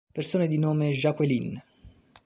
Persone di nome Jacqueline